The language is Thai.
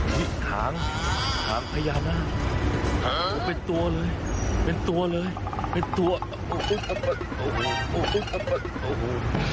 ที่ถางถางพญานาธิ์โอ้โหเป็นตัวเลยเป็นตัวเลยเป็นตัวโอ้โหโอ้โห